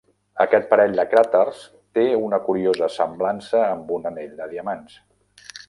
Aquest parell de cràters té una curiosa semblança amb un anell de diamants.